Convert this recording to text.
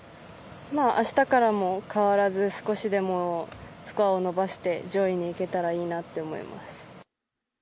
明日からも変わらず少しでもスコアを伸ばして上位にいけたらいいなと思います。